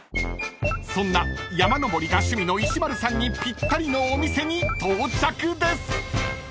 ［そんな山登りが趣味の石丸さんにぴったりのお店に到着です］